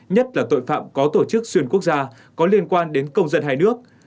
nhất là tội phạm có tổ chức xuyên quốc gia có liên quan đến công dân hai nước